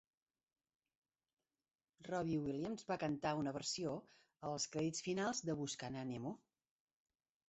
Robbie Williams va cantar una versió als crèdits finals de Buscant en Nemo.